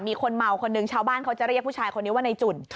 มีคนเมาคนนึงชาวบ้านเขาจะเรียกผู้ชายคนนี้ว่าในจุ่น